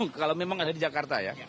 oh kalau memang ada di jakarta ya